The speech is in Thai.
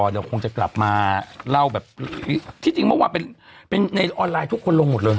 เดี๋ยวคงจะกลับมาเล่าแบบที่จริงเมื่อวานเป็นในออนไลน์ทุกคนลงหมดเลย